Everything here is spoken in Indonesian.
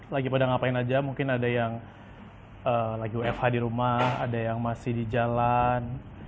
lagi pada ngapain aja mungkin ada yang lagi wfh di rumah ada yang masih di jalan